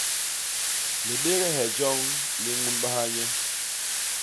Libéhge joñ li ñunbaha nye.